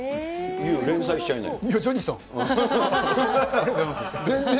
ユー、連載しちゃいなよ。